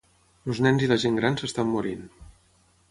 Els nens i la gent gran s’estan morint.